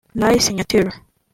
Ray Signature